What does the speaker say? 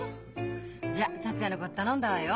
じゃあ達也のこと頼んだわよ。